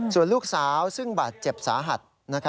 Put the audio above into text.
ส่วนลูกสาวซึ่งบาดเจ็บสาหัส